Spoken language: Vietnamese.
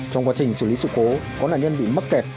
trong quá trình xử lý sự cố có nạn nhân bị mắc kẹt